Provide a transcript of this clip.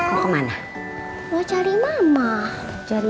mau kemana mau cari mama cari